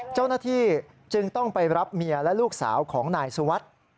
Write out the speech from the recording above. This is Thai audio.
เจ้าหน้าที่จึงต้องไปรับเมียและลูกสาวของนายสุวัสดิ์